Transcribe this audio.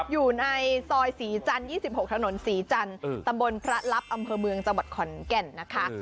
อยู่ในซอย๒๖ถนนสี่จันทร์ตำบลพระรัทธิ์อำเภอเมืองจังหวัดของแก่ลนะคะ